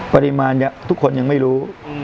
ปริมาณทุกคนยังไม่รู้